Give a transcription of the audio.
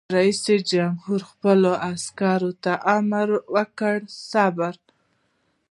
رئیس جمهور خپلو عسکرو ته امر وکړ؛ صبر!